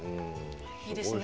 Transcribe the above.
いいですね